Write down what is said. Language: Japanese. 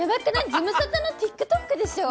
ズムサタのＴｉｋＴｏｋでしょ。